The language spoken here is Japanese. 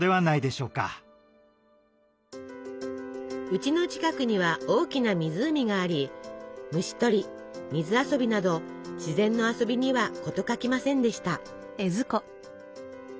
うちの近くには大きな湖があり虫取り水遊びなど自然の遊びには事欠きませんでした。